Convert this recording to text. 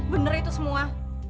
bener itu semua